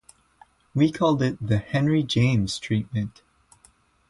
We called it the Henry James treatment.